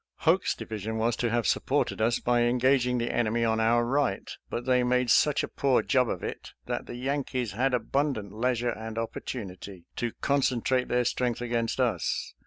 Hoke's HOT SKIRMISH— WOUNDED 265 division was to have supported us by engaging the enemy on our right, but they made such a poor job of it that the Yankees had abundant leisure and opportunity to concentrate their strength against us.